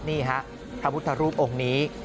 นี่ฮะพระพุทธรูปองค์นี้